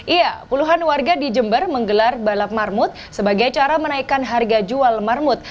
iya puluhan warga di jember menggelar balap marmut sebagai cara menaikkan harga jual marmut